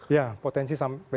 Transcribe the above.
ya potensi sampai hari ini